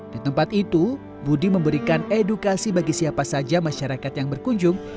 di tempat itu budi memberikan edukasi bagi siapa saja masyarakat yang berkunjung